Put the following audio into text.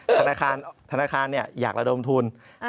อย่างเช่นธนาคารเนี่ยอยากระดมทุน